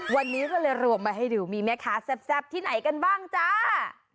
วันนี้ก็เลยรวมมาให้ดูมีแม่ค้าแซ่บที่ไหนกันบ้างจ้า